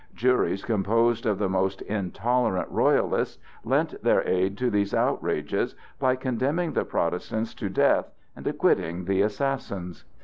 Juries composed of the most intolerant Royalists lent their aid to these outrages, by condemning the Protestants to death and acquitting the assassins.